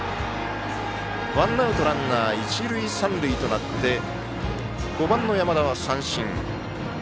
ワンアウトランナー、一塁三塁となって５番の山田は三振。